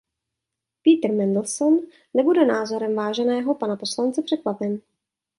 Peter Mandelson nebude názorem váženého pana poslance překvapen.